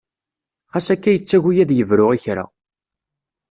Xas akka yettagi ad yebru i kra.